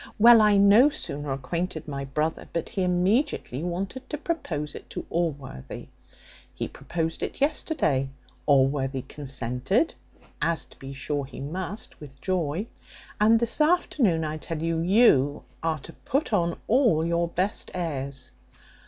Well, I no sooner acquainted my brother, but he immediately wanted to propose it to Allworthy. He proposed it yesterday, Allworthy consented (as to be sure he must with joy), and this afternoon, I tell you, you are to put on all your best airs."